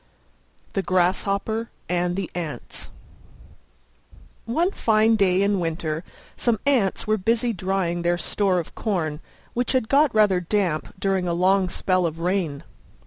THE GRASSHOPPER AND THE ANTS One fine day in winter some Ants were busy drying their store of corn, which had got rather damp during a long spell of rain.